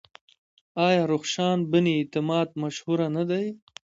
آیا رخشان بني اعتماد مشهوره نه ده؟